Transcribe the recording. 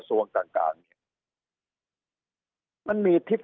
สุดท้ายก็ต้านไม่อยู่